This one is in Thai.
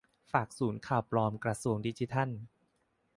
ฝากศูนย์ข่าวปลอมกระทรวงดิจิทัล